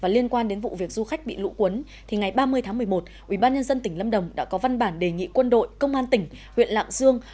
liên quan đến vụ việc du khách bị lũ cuốn ngày ba mươi tháng một mươi một ubnd tỉnh lâm đồng đã có văn bản đề nghị quân đội công an tỉnh huyện lạng dương